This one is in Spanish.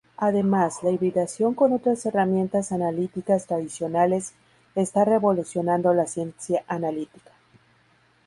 Además, la hibridación con otras herramientas analíticas tradicionales está revolucionando la ciencia analítica.